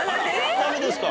ダメですか？